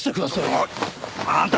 おいあんた